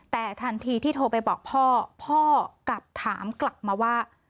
แต่ทันทีที่โทรไปบอกพ่อพ่อกลับถามกลับมาว่า